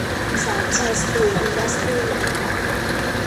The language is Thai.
สามชัย สตีล อินดัสทรี